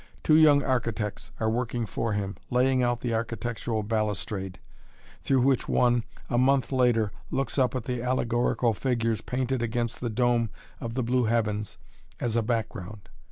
Two young architects are working for him, laying out the architectural balustrade, through which one, a month later, looks up at the allegorical figures painted against the dome of the blue heavens, as a background.